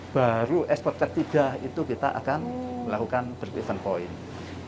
baru ekspor ketiga itu kita akan melakukan brid event point